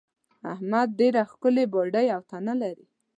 احمد ډېره ښکلې باډۍ او تنه لري.